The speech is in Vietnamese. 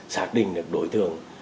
xác định được đối tượng